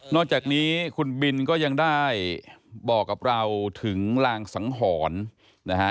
อกจากนี้คุณบินก็ยังได้บอกกับเราถึงลางสังหรณ์นะฮะ